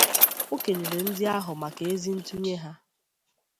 O kelere ndị ahụ maka ezi ntụnye ha